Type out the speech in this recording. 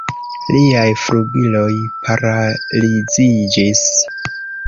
Liaj flugiloj paraliziĝis.